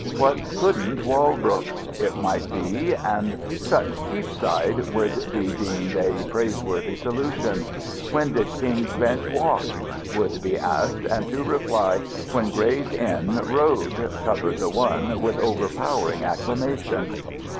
"What couldn't Walbrook?" it might be, and "Such Cheapside," would be deemed a praiseworthy solution. "When did King's Bench Walk?" would be asked, and to reply, "When Gray's Inn Road," covered the one with overpowering acclamation.